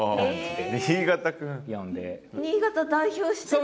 新潟代表してる感じ。